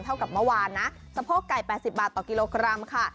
กับเมื่อวานนะสะโพกไก่๘๐บาทต่อกิโลกรัมค่ะ